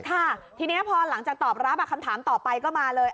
ค่ะทีนี้พอหลังจากตอบรับคำถามต่อไปก็มาเลย